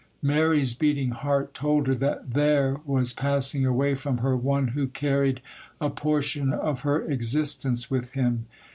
Mary's beating heart told her that there was passing away from her one who carried a portion of her existence with him.